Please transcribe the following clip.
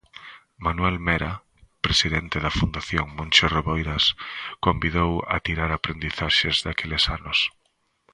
Manuel Mera, presidente da Fundación Moncho Reboiras, convidou a tirar aprendizaxes daqueles anos.